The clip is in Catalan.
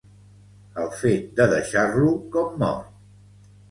El fet de deixar-lo com mort.